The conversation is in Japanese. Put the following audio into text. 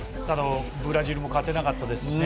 ブラジルも勝てなかったですしね。